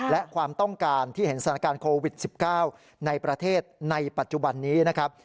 และความต้องการที่เห็นสถานการณ์โควิด๑๙ในประเทศในปัจจุบันนี้นะครับ